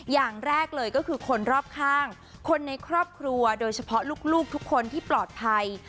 อย่างแรกเลยก็คือคนรอบข้างคนในครอบครัวโดยเฉพาะลูกทุกคนที่ปลอดภัย